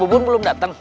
bos bubun belum datang